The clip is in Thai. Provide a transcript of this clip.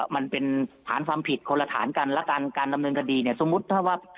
มันเป็นฐานความผิดคนละฐานกันและการดำเนินคดีเนี่ยสมมุติถ้าว่า